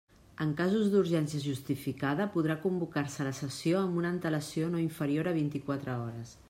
En casos d'urgència justificada podrà convocar-se la sessió amb una antelació no inferior a vint-i-quatre hores.